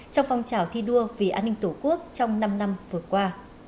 trong phong trào thi đua vì an ninh tổ quốc trong năm năm vừa qua